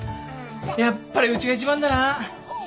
やっぱりうちが一番だな。